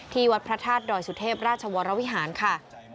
วัดพระธาตุดอยสุเทพราชวรวิหารค่ะ